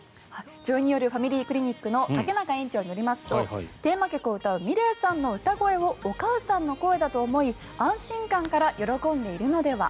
女医によるファミリークリニックの竹中院長によりますとテーマ曲を歌うｍｉｌｅｔさんの歌声をお母さんの声だと思い安心感から喜んでいるのでは。